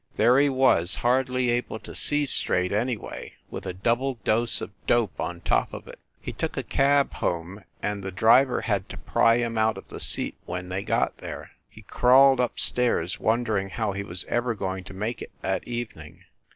There he was, hardly able to see straight anyway, with a double dose of dope on top of it. He took a cab home, and the driver had to pry him out of the seat when they got there. He crawled up stairs, wondering how he was ever going to make it that evening.